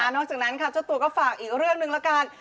นอกจากนั้นค่ะเจ้าตัวก็ฝากอีกเรื่องหนึ่งละกัน